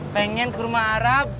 pengen kurma arab